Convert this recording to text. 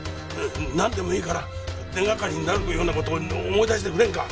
なんでもいいから手がかりになるような事を思い出してくれんか？